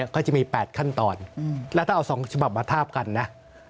ก็จะมี๘ขั้นตอนแล้วถ้าเอา๒ฉบับมาทาบกันนะ